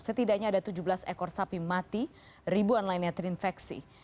setidaknya ada tujuh belas ekor sapi mati ribuan lainnya terinfeksi